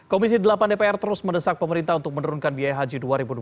komisi delapan dpr terus mendesak pemerintah untuk menurunkan biaya haji dua ribu dua puluh